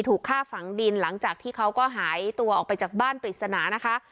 ถูกฆ่าฝังดินหลังจากที่เขาก็หายตัวออกไปจากบ้านปริศนานะคะ